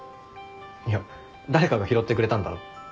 いや誰かが拾ってくれたんだろ？